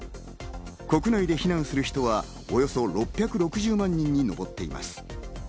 国内で避難する人はおよそ６６０万人にのぼっています。